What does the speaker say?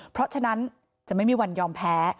เพราะฉะนั้นจะไม่มีวันยอมแพ้